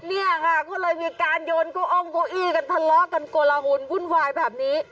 เนี่ยค่ะก็เลยมีการโยนโก้องเก้าอี้กันทะเลาะกันโกละหุ่นวุ่นวายแบบนี้